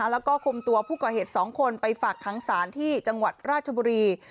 แล้วก็คุมตัวผู้ก่อเหตุ๒คนไปฝากค้างศาลที่จังหวัดราชบุรี